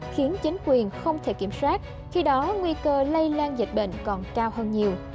khiến chính quyền không thể kiểm soát khi đó nguy cơ lây lan dịch bệnh còn cao hơn nhiều